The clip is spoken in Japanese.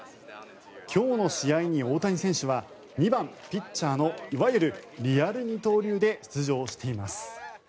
今日の試合に大谷選手は２番ピッチャーのいわゆるリアル二刀流で出場しています。